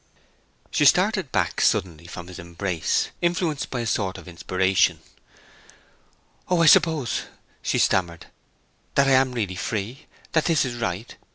She started back suddenly from his embrace, influenced by a sort of inspiration. "Oh, I suppose," she stammered, "that I am really free?—that this is right?